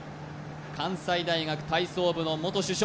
関西大学体操部の元主将